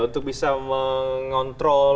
untuk bisa mengontrol